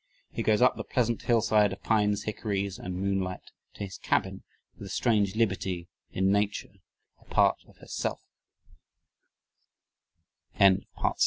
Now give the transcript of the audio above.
He goes up the "pleasant hillside of pines, hickories," and moonlight to his cabin, "with a strange liberty in Nature, a part of hers